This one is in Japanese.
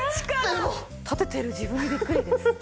立ててる自分にビックリです。